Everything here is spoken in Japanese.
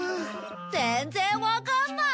全然わかんない！